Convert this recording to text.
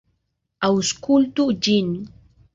Aŭskultu ĝin.